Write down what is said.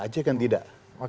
aceh kan tidak